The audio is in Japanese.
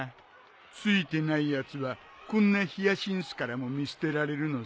ツイてないやつはこんなヒヤシンスからも見捨てられるのさ。